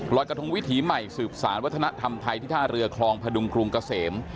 รอยกระทงวิถีใหม่สืบสารวัฒนธรรมไทยที่ท่าเรือคลองพดุงกรุงเกษม